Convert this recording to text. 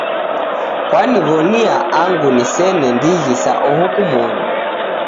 Kwaniw'onia angu nisene ndighi sa oho kumoni.